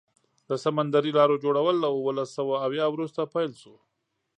د سمندري لارو جوړول له اوولس سوه اویا وروسته پیل شو.